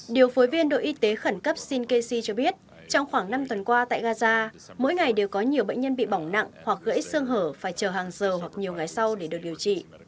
điều phối viên đội y tế khẩn cấp sinkesi cho biết trong khoảng năm tuần qua tại gaza mỗi ngày đều có nhiều bệnh nhân bị bỏng nặng hoặc gãy xương hở phải chờ hàng giờ hoặc nhiều ngày sau để được điều trị